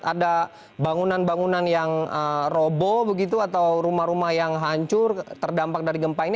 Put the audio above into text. ada bangunan bangunan yang robo begitu atau rumah rumah yang hancur terdampak dari gempa ini